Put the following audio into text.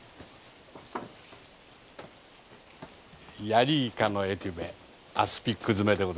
ヤリイカのエテュベアスピック詰めでございます。